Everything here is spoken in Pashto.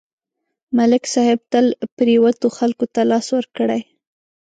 ملک صاحب تل پرېوتو خلکو ته لاس ورکړی